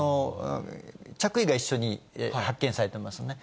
着衣が一緒に発見されてますね。